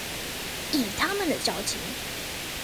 以他們的交情